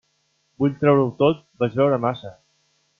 Vull treure-ho tot: vaig beure massa.